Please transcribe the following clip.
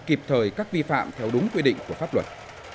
kịp thời các vi phạm theo đúng quy định của pháp luật